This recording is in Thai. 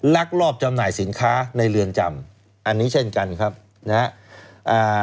ลักลอบจำหน่ายสินค้าในเรือนจำอันนี้เช่นกันครับนะฮะอ่า